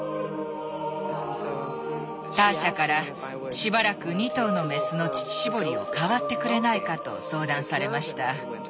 ターシャから「しばらく２頭のメスの乳搾りを代わってくれないか」と相談されました。